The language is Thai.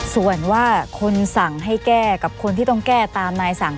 ส่วนว่าคนสั่งให้แก้กับคนที่ต้องแก้ตามนายสั่ง